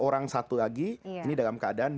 orang satu lagi ini dalam keadaan